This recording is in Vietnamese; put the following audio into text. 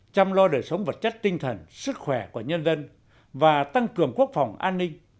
chăm lo đời sống vật chất tinh thần sức khỏe của nhân dân và tăng cường quốc phòng an ninh